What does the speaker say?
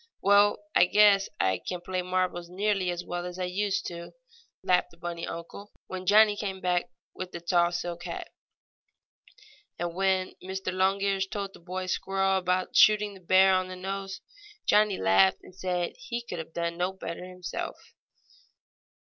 "Well, I guess I can play marbles nearly as well as I used to," laughed the bunny uncle when Johnnie came back with the tall silk hat. And when Mr. Longears told the boy squirrel about shooting the bear on the nose, Johnnie laughed and said he could have done no better himself.